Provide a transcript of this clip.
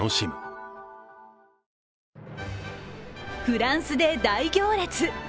フランスで大行列。